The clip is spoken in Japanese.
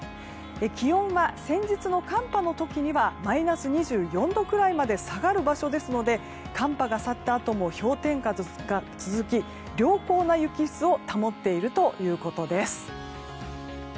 気温は先日の寒波の時にはマイナス２４度ぐらいまで下がる場所ですので寒波が去ったあとも氷点下が続き、良好な雪質を保っているということです。